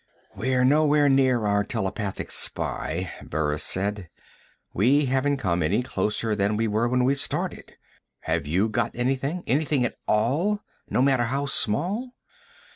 "We're nowhere near our telepathic spy," Burris said. "We haven't come any closer than we were when we started. Have you got anything? Anything at all, no matter how small?"